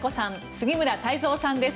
杉村太蔵さんです。